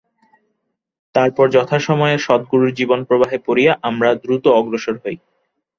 তারপর যথাসময়ে সদগুরুর জীবন-প্রবাহে পড়িয়া আমরা দ্রুত অগ্রসর হই।